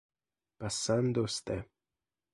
Passando Ste.